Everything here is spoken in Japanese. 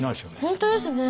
本当ですね。